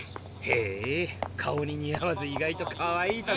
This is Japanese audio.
へ顔に似合わず意外とかわいいとこ。